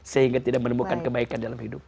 sehingga tidak menemukan kebaikan dalam hidup